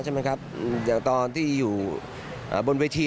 จากตอนที่อยู่บนวีธี